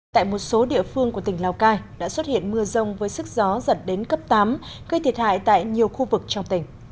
tại một số địa phương của tỉnh lào cai đã xuất hiện mưa rông với sức gió dẫn đến cấp tám gây thiệt hại tại nhiều khu vực trong tỉnh